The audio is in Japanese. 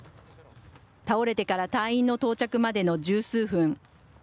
倒れてから隊員の到着までの十数分。